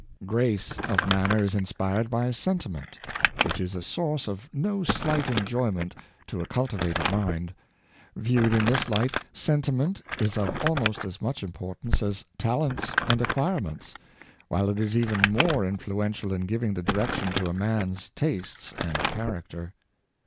Grace of manner is inspired by sentiment, which is a source of no slight enjoyment to a cultivated mind. Viewed in this light, sentiment is of almost as much importance as talents and acquirements, while it is even more influential in giving the direction to a man's tastes and character.